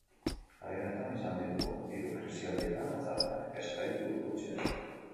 Garai honetan izan ditugun hiru krisialdietan txarrenak ez gaitu utzi nahi.